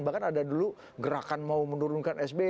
bahkan ada dulu gerakan mau menurunkan sby